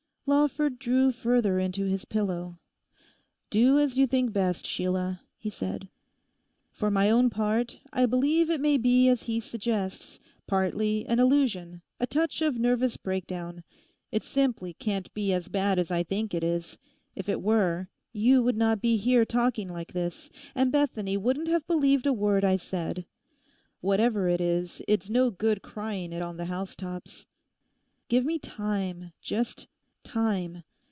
Lawford drew further into his pillow. 'Do as you think best, Sheila,' he said. 'For my own part, I believe it may be as he suggests—partly an illusion, a touch of nervous breakdown. It simply can't be as bad as I think it is. If it were, you would not be here talking like this; and Bethany wouldn't have believed a word I said. Whatever it is, it's no good crying it on the housetops. Give me time, just time.